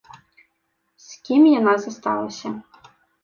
З кім яна засталася.